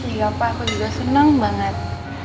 iya pak aku juga senang banget